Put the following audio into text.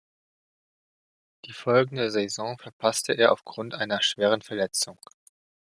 Die folgende Saison verpasste er aufgrund einer schweren Verletzung.